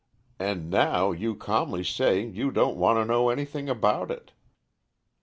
And now you calmly say you don't want to know anything about it!